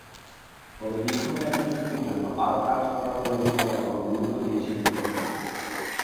তবে দীর্ঘমেয়াদি চুক্তির জন্য আরও কাজ করার প্রয়োজনীয়তার ওপর গুরুত্ব দিয়েছেন তিনি।